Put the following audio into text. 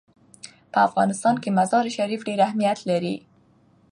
په افغانستان کې مزارشریف ډېر اهمیت لري.